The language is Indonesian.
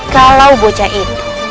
kalau bocah itu